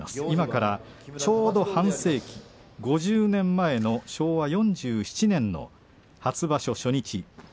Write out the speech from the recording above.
今からちょうど半世紀５０年前の昭和４７年初場所初日。